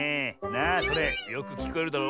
なあそれよくきこえるだろ？